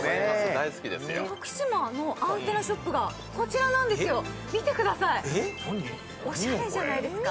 徳島のアンテナショップがこちらなんですよ、見てください、おしゃれじゃないですか？